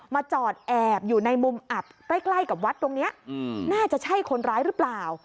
จอดแอบอยู่ในมุมอับใกล้ใกล้กับวัดตรงนี้น่าจะใช่คนร้ายหรือเปล่า